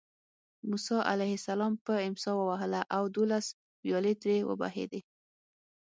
موسی علیه السلام په امسا ووهله او دولس ویالې ترې وبهېدې.